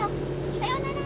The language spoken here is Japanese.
さよなら。